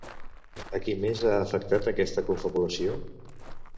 A qui més ha afectat aquesta confabulació?